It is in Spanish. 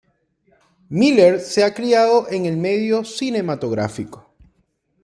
Miller se ha criado en el medio cinematográfico.